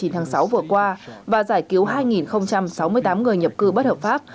từ ngày sáu vừa qua và giải cứu hai sáu mươi tám người nhập cư bất hợp pháp